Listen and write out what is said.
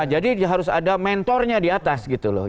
jadi dia harus ada mentornya di atas gitu loh